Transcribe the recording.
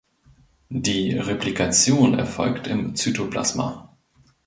Die Replikation erfolgt im Zytoplasma.